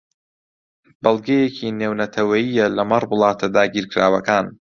بەڵگەیەکی نێونەتەوەیییە لەمەڕ وڵاتە داگیرکراوەکان